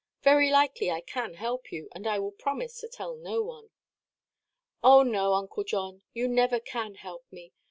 Very likely I can help you, and I will promise to tell no one." "Oh no, Uncle John, you never can help me.